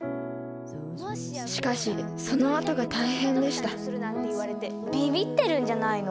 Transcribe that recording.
しかしそのあとが大変でしたびびってるんじゃないの？